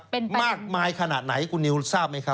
เป็นไปอย่างนั้นมากมายขนาดไหนคุณนิวทราบไหมครับ